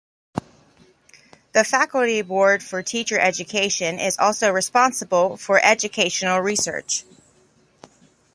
The Faculty Board for Teacher Education is also responsible for educational research.